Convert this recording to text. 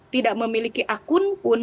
tidak memiliki akun pun